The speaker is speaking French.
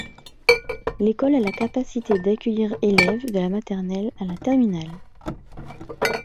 L'école a la capacité d'accueillir élèves, de la maternelle à la terminale.